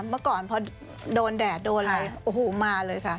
เมื่อก่อนพอโดนแดดโดนอะไรโอ้โหมาเลยค่ะ